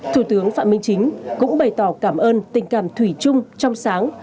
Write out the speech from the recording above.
thủ tướng phạm minh chính cũng bày tỏ cảm ơn tình cảm thủy chung trong sáng